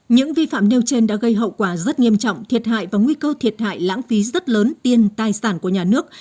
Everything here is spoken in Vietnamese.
những vi phạm nêu trên đã gây hậu quả rất nghiêm trọng thiệt hại và nguy cơ thiệt hại lãng phí rất lớn tiên tài sản của nhà nước